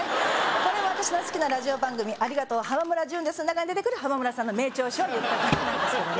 これは私の好きなラジオ番組「ありがとう浜村淳です」の中に出てくる浜村さんの名調子を言っただけなんですけどね